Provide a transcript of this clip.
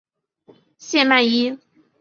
谢曼怡。